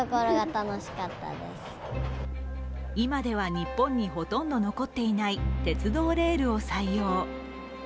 今では日本にほとんど残っていない鉄道レールを採用。